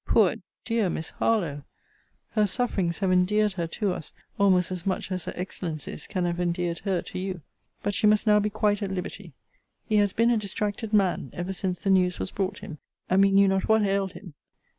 Poor dear Miss Harlowe! Her sufferings have endeared her to us, almost as much as her excellencies can have endeared her to you. But she must now be quite at liberty. He has been a distracted man, ever since the news was brought him; and we knew not what ailed him.